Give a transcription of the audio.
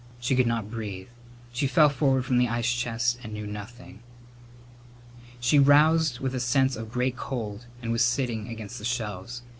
She could not breathe. She fell forward from the ice chest and knew nothing. She roused with a sense of great cold and was sitting against the shelves.